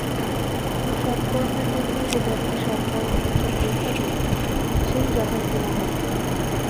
শুধু সৎকর্মের জন্যই যে ব্যক্তি সৎ কর্মের অনুষ্ঠান করে থাকে, সে-ই যথার্থ মহৎ।